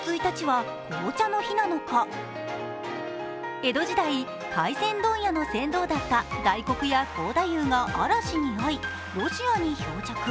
江戸時代、回船問屋の船頭だった大黒屋光太夫が嵐にあい、ロシアに漂着。